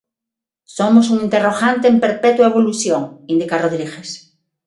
"Somos un interrogante en perpetua evolución", indica Rodríguez.